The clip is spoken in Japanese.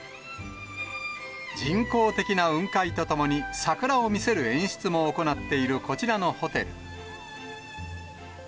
人工的な雲海とともに、桜を見せる演出も行っているこちらのホテル。